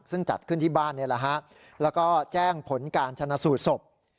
ซึ่งจัดขึ้นที่บ้านนี่แหละฮะแล้วก็แจ้งผลการชนะสูตรศพ